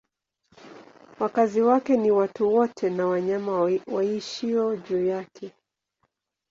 Wakazi wake ni watu wote na wanyama waishio juu yake.